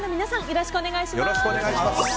よろしくお願いします。